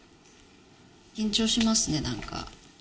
緊張しますね何か。